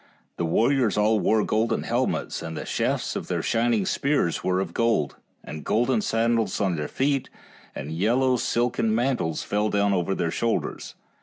6 The warriors all wore golden helmets, and the shafts of their shining spears were of gold, and golden sandals on their feet, and yellow silken mantles fell down over their shoulders.